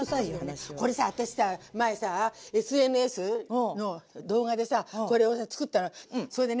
これさ私さ前さぁＳＮＳの動画でさこれをつくったらそれでね